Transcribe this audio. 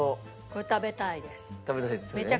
これ食べたいです。